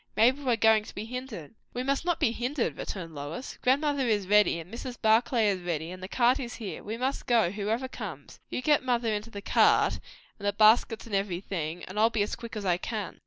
"Maybe we're going to be hindered." "We must not be hindered," returned Lois. "Grandmother is ready, and Mrs. Barclay is ready, and the cart is here. We must go, whoever comes. You get mother into the cart, and the baskets and everything, and I'll be as quick as I can."